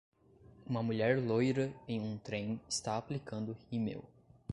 Uma mulher loira em um trem está aplicando rímel.